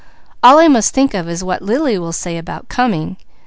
All I must think of is what Lily will say about coming.